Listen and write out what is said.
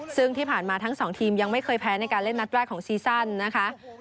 ซึ่งที่ผ่านมาทั้งสองทีมยังไม่เคยแพ้ในการเล่นนัดแรกของซีซั่นนะคะ